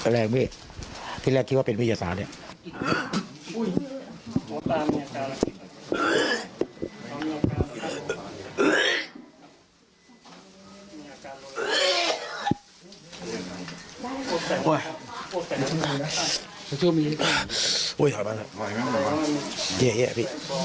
แรงที่แรกคิดว่าเป็นวิทยาศาสตร์